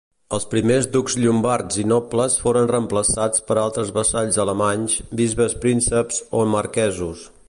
Els primers ducs llombards i nobles foren reemplaçats per altres vassalls alemanys, bisbes-prínceps o marquesos.